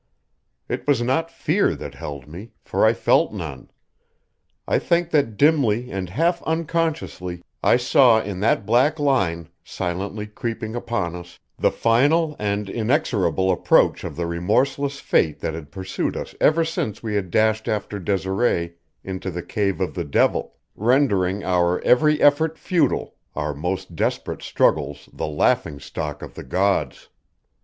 It was not fear that held me, for I felt none; I think that dimly and half unconsciously I saw in that black line, silently creeping upon us, the final and inexorable approach of the remorseless fate that had pursued us ever since we had dashed after Desiree into the cave of the devil, rendering our every effort futile, our most desperate struggles the laughing stock of the gods.